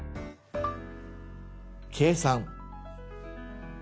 「計算」。